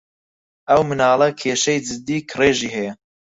ئەو مناڵە کێشەی جددی کڕێژی ھەیە.